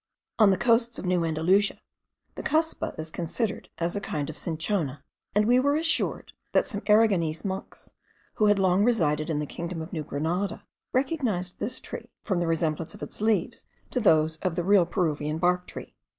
On the coasts of New Andalusia, the cuspa is considered as a kind of cinchona; and we were assured, that some Aragonese monks, who had long resided in the kingdom of New Grenada, recognised this tree from the resemblance of its leaves to those of the real Peruvian bark tree.